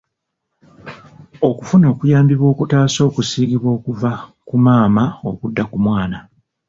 Okufuna okuyambibwa okutaasa okusiigibwa okuva ku maama okudda ku mwana.